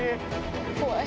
怖い。